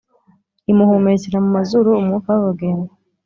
imuhumekera mu mazuru umwuka w’ubugingo